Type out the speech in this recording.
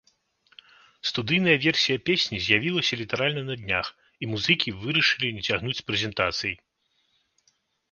Студыйная версія песні з'явілася літаральна на днях, і музыкі вырашылі не цягнуць з прэзентацыяй.